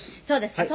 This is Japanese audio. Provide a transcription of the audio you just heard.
「そうです」